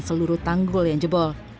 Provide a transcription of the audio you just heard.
seluruh tanggul yang jebol